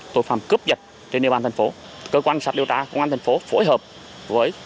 tội phạm cướp giật trên địa bàn thành phố cơ quan sát điều tra công an thành phố phối hợp với